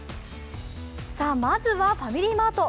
さぁ、まずはファミリーマート。